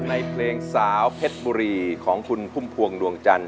ในเพลงสาวเพชรบุรีของคุณพุ่มพวงดวงจันท